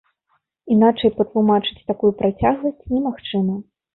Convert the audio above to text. Іначай патлумачыць такую працягласць немагчыма.